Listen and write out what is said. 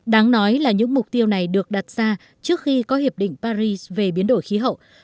đáng nói là những mục tiêu này được đặt ra trước khi có hiệp định paris về biến đổi khí hậu